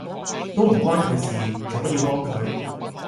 都唔關佢事，做乜要幫佢？